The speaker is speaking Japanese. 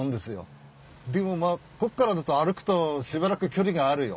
でもまあここからだと歩くとしばらく距離があるよ。